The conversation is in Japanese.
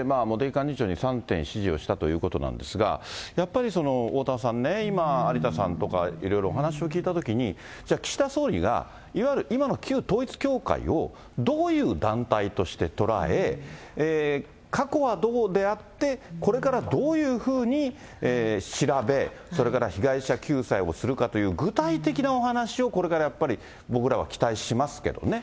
幹事長に３点指示をしたということなんですが、やっぱり、おおたわさんね、今、有田さんとかいろいろお話を聞いたときに、じゃあ岸田総理が、いわゆる今の旧統一教会を、どういう団体として捉え、過去はどうであって、これからどういうふうに調べ、それから被害者救済をするかという具体的なお話をこれからやっぱり、僕らは期待しますけどね。